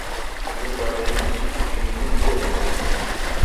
D Yuba ay d imsujji-inu n tuɣmas.